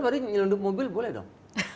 sorry nyelundup mobil boleh dong